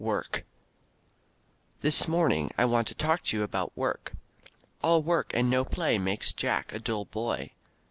"_ WORK This morning I want to talk to you about work. "All work and no play makes Jack a dull boy."